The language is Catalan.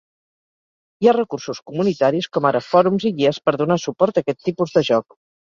Hi ha recursos comunitaris com ara fòrums i guies per donar suport a aquest tipus de joc.